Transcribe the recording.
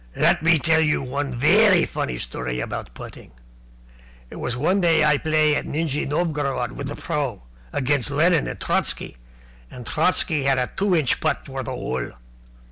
"Let me tell you one vairy funny story about putting. It was one day I play at Nijni Novgorod with the pro. against Lenin and Trotsky, and Trotsky had a two inch putt for the hole.